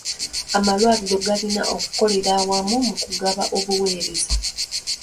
Amalwaliro galina okukolera awamu mu kugaba obuweereza.